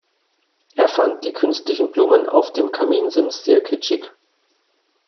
Er fand die künstlichen Blumen auf dem Kaminsims sehr kitschig.